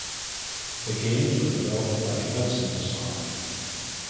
The games were developed by Hudson Soft.